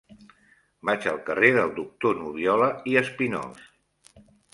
Vaig al carrer del Doctor Nubiola i Espinós.